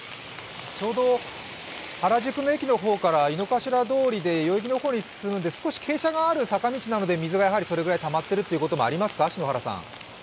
ちょうど原宿の駅の方から井の頭通で代々木の方に進むので、少し傾斜のある坂道なので、水がそれぐらいたまっているということもありますか？